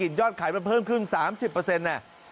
เศรษฐกิจยอดขายมันเพิ่มขึ้น๓๐เปอร์เซ็นต์